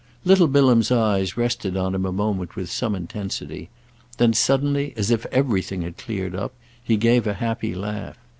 Little Bilham's eyes rested on him a moment with some intensity; then suddenly, as if everything had cleared up, he gave a happy laugh.